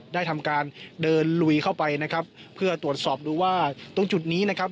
ได้ทำการเดินลุยเข้าไปนะครับเพื่อตรวจสอบดูว่าตรงจุดนี้นะครับ